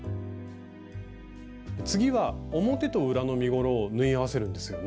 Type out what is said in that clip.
次は表と裏の身ごろを縫い合わせるんですよね？